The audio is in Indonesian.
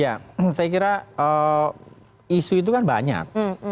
ya saya kira isu itu kan banyak